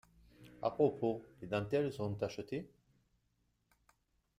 À propos, les dentelles sont achetées !